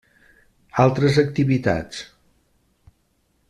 Altres activitats.